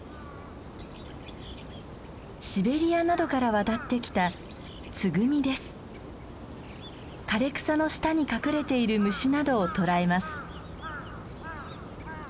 シベリアなどから渡ってきた枯れ草の下に隠れている虫などを捕らえます。